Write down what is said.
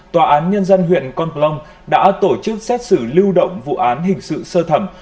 tòa án nhân dân huyện con plong đã tổ chức xét xử lưu động vụ án hình sự sơ thẩm